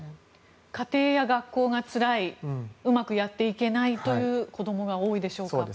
家庭や学校がつらいうまくやっていけないという子どもが多いでしょうか。